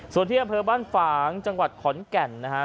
สวัสดีครับเพื่อบ้านฝางจังหวัดขอนแก่นนะฮะ